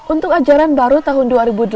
untuk ajaran baru tahun dua ribu delapan belas